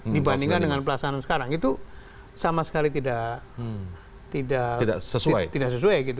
dibandingkan dengan pelaksanaan sekarang itu sama sekali tidak sesuai gitu